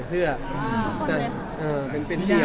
ต้องเสื้อดาวใดบ้างไหมครับ